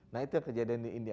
nah itu yang kejadian di india